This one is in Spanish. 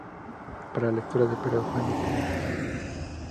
Este espacio fue importante para la lectura de los pregones públicos.